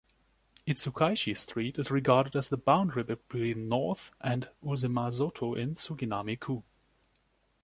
Itsukaichi street is regarded as the boundary between North and umezato in Suginami-ku.